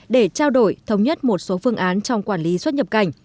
để trao đổi thống nhất một số phương án trong quản lý xuất nhập cảnh